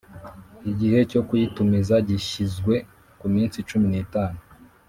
Igihe cyo kuyitumiza gishyizwe ku minsi cumi n itanu